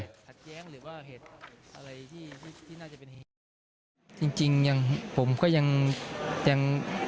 ขัดแย้งหรือว่าเหตุอะไรที่ที่น่าจะเป็นเหตุจริงจริงยังผมก็ยังยังยัง